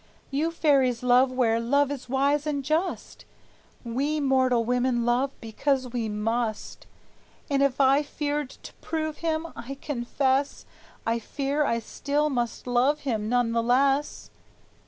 You fairies love where love is wise and just; We mortal women love because we must: And if I feared to prove him, I confess I fear I still must love him none the less."